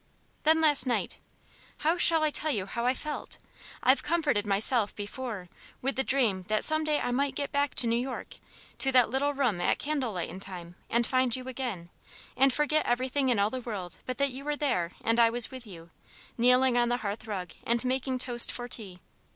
Then last night how shall I tell you how I felt? I've comforted myself, before, with the dream that some day I might get back to New York, to that little room at candle lightin' time, and find you again, and forget everything in all the world but that you were there and I was with you, kneeling on the hearth rug and making toast for tea.